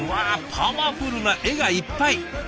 パワフルな絵がいっぱい。